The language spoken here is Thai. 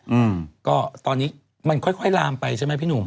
อืมก็ตอนนี้มันค่อยค่อยลามไปใช่ไหมพี่หนุ่ม